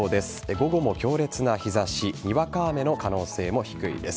午後も強烈な日差しにわか雨の可能性も低いです。